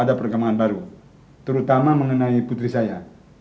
yang mengasihinya nanti ya istrinya